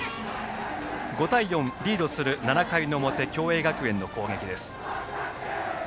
５対４、リードする７回の表の共栄学園の攻撃です。